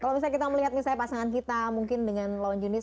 kalau misalnya kita melihat misalnya pasangan kita mungkin dengan lawan jenis